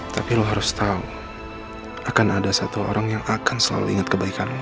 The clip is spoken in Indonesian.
tapi lo harus tahu akan ada satu orang yang akan selalu ingat kebaikanmu